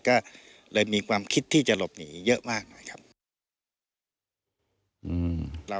ก็เลยมีความคิดที่จะหลบหนีเยอะมากหน่อยครับ